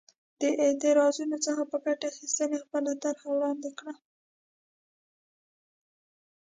د اعتراضونو څخه په ګټې اخیستنې خپله طرحه وړاندې کړه.